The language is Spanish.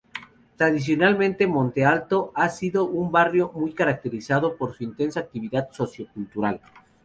Tradicionalmente, Monte Alto ha sido un barrio muy caracterizado por una intensa actividad sociocultural.